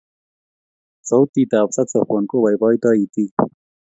sautit ap saxophone kopoipoito itik